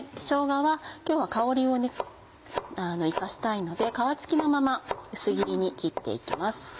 しょうがは今日は香りを生かしたいので皮付きのまま薄切りに切って行きます。